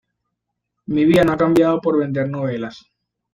Mi vida no ha cambiado por vender novelas.